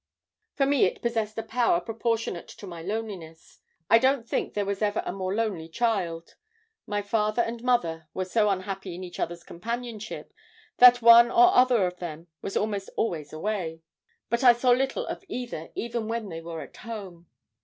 "For me it possessed a power proportionate to my loneliness. I don't think there was ever a more lonely child. My father and mother were so unhappy in each other's companionship that one or other of them was almost always away. But I saw little of either even when they were at home.